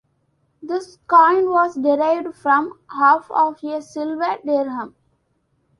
This coin was derived from half of a silver dirhem.